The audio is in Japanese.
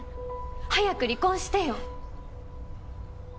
早く離婚してよ。